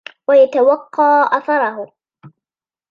وَيَتَوَقَّى أَثَرَهُ